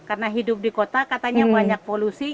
karena hidup di kota katanya banyak polusi